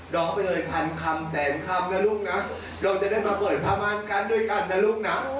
ร้องไปเลยพันคำแสนคำนะลูกนะเราจะได้มาเปิดผ้าม่านกั้นด้วยกันนะลูกนะ